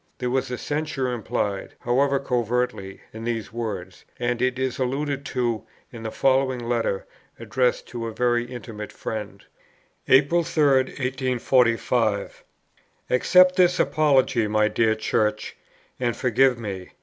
There was a censure implied, however covertly, in these words; and it is alluded to in the following letter, addressed to a very intimate friend: "April 3, 1845.... Accept this apology, my dear Church, and forgive me.